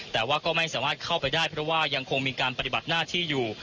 แต่ว่าก็ไม่สามารถเข้าไปได้เพราะว่ายังคงมีการปฏิบัติหน้าที่อยู่